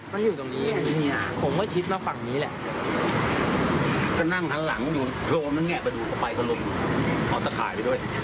ไปก็ลงเอาตะขายไปด้วย